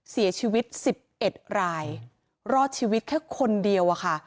เสียชีวิต๑๑รายรอดชีวิตแค่คนเดียวอะค่ะ